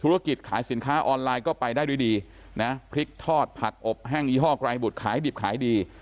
ธุรกิจขายสินค้าออนไลน์ก็ไปได้ด้วยดีนะพริกทอดผักอบแห้งยี่ห้อกรายบุตรขายดิบขายดี